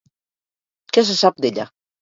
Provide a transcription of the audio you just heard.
Què se sap d'ella?